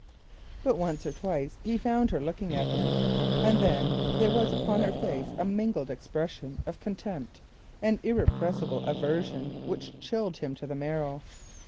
But once or twice he found her looking at him, and then there was upon her face a mingled expression of contempt and irresistible aversion which chilled him to the marrow.